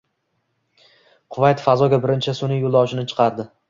Kuvayt fazoga birinchi sun'iy yo‘ldoshini chiqardi